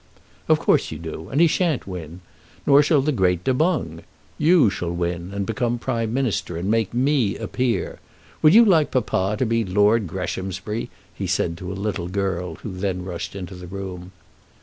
"Of course you do. And he shan't win. Nor shall the great Du Boung. You shall win, and become Prime Minister, and make me a peer. Would you like papa to be Lord Greshamsbury?" he said to a little girl, who then rushed into the room.